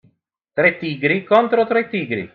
Tre tigri contro tre tigri.